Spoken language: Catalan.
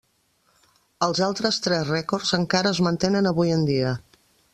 Els altres tres rècords encara es mantenen avui en dia.